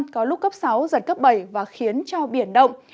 có lúc cấp sáu giật cấp bảy và khiến cho biển động